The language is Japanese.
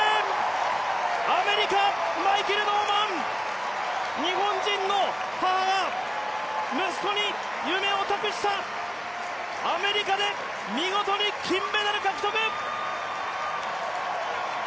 アメリカ、マイケル・ノーマン、日本人の母が息子に夢を託した、アメリカで見事に金メダル獲得！